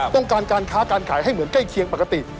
การค้าการขายให้เหมือนใกล้เคียงปกติ